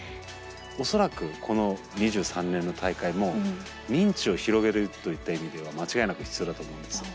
恐らくこの２３年の大会も認知を広げるといった意味では間違いなく必要だと思うんですよ。